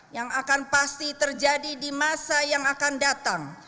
yang akan pasti terjadi di masa yang akan datang